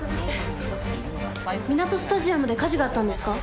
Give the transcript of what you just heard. みなとスタジアムで火事があったんですか？